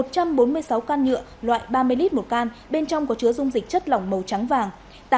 một trăm bốn mươi sáu can nhựa loại ba mươi lít một can bên trong có chứa dung dịch chất lỏng màu trắng vàng